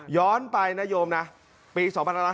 ย้อนไปนะโยมนะปี๒๕๕๙